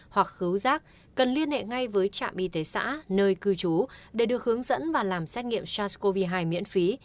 hoặc hữu rác cần liên hệ ngay với trạm y tế xã nơi cư trú để được hướng dẫn và làm xét nghiệm sars cov hai miễn phí